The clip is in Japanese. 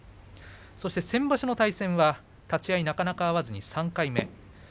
そして、先場所の対戦は立ち合いなかなか合わずに３回目。